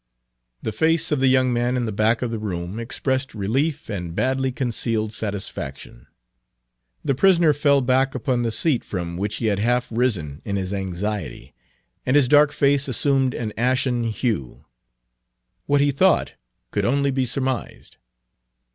The face of the young man in the back of the room expressed relief and badly concealed satisfaction. The prisoner fell back upon the seat from which he had half risen in his anxiety, and his dark face assumed an ashen hue. What he thought could only be surmised.